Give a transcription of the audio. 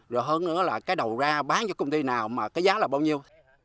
rồi hơn nữa là cái đầu ra bán cho công ty nào mà cái giá là bao nhiêu